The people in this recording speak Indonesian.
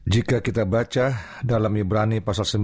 jika kita baca dalam ibrani sembilan dua puluh delapan